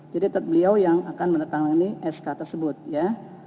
jadi beliau yang akan menandatangani sk tersebut ya